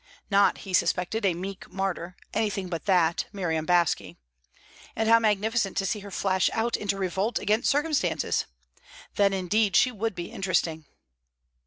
Not, he suspected, a meek martyr; anything but that, Miriam Baske. And how magnificent to see her flash out into revolt against circumstances! Then indeed she would be interesting.